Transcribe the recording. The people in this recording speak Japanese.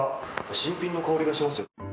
新品の香りがします。